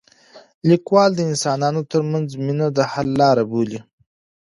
لیکوال د انسانانو ترمنځ مینه د حل لاره بولي.